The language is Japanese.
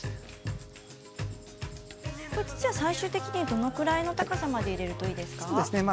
土は最終的にどのくらいの高さまで入れるといいですか？